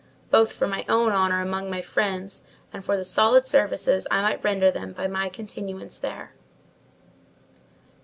both for my own honour among my friends and for the solid services I might render them by my continuance there.